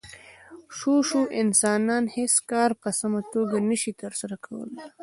شو شو انسانان هېڅ کار په سمه توګه نشي ترسره کولی.